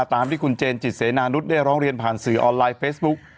ตามที่คุณเจนจิตเสนานุษย์ได้ร้องเรียนผ่านสื่อออนไลน์เฟซบุ๊ก